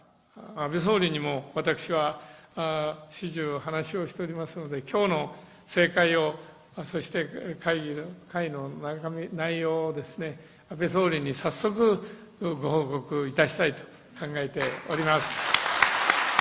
安倍総理にも私は始終、話をしておりますので、きょうの盛会を、そして会の内容をですね、安倍総理に早速、ご報告いたしたいと考えております。